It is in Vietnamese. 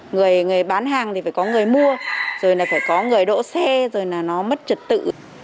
người người bán hàng thì phải có người mua rồi là phải có người đỗ xe rồi là nó mất trật tự